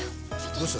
どうした？